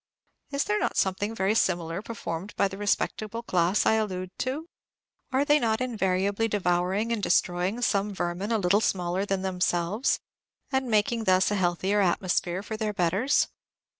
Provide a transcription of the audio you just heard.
Is there not something very similar performed by the respectable class I allude to? Are they not invariably devouring and destroying some vermin a little smaller than themselves, and making thus a healthier atmosphere for their betters?